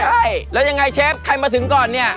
ใช่แล้วยังไงเชฟใครมาถึงก่อนเนี่ย